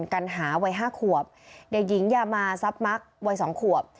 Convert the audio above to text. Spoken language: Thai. กัณหาวัย๕ขวบเด็กหญิงยามาซับมักวัย๒ขวบ